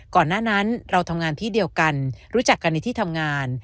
ก่อนหน้านั้นเราทำงานที่เดียวกันรู้จักกันในที่ทำงาน